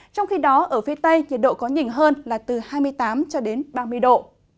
trong khi đó ở phía tây nhiệt độ có nhìn hơn là từ hai mươi tám ba mươi độ